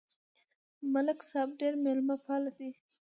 ملک صاحب ډېر مېلمهپاله دی.